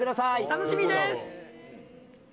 楽しみです。